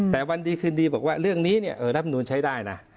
แต่วันดีคืนดีบอกว่าเรื่องนี้รับนูลใช้ได้นะ